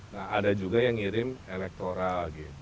nah ada juga yang ngirim elektoral